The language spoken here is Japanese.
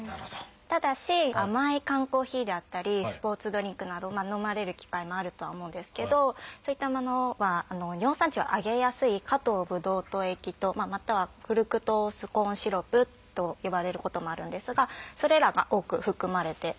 ただし甘い缶コーヒーであったりスポーツドリンクなど飲まれる機会もあるとは思うんですけどそういったものは尿酸値を上げやすい「果糖ぶどう糖液糖」または「フルクトースコーンシロップ」と呼ばれることもあるんですがそれらが多く含まれております。